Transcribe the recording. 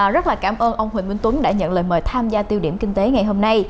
rất là cảm ơn ông huỳnh minh tuấn đã nhận lời mời tham gia tiêu điểm kinh tế ngày hôm nay